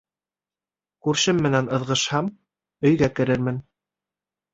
Күршем менән ыҙғышһам, өйгә керермен